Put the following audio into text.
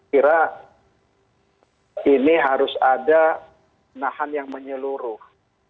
kira ini harus ada nahan yang menyeluruh